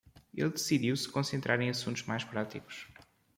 Ele decidiu se concentrar em assuntos mais práticos.